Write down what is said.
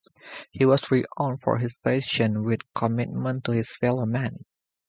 He was renowned for his patience with and commitment to his fellow men.